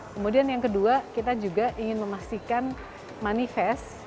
kemudian yang kedua kita juga ingin memastikan manifest